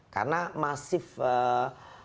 karena masif demand daripada same size same size